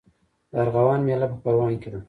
د ارغوان میله په پروان کې ده.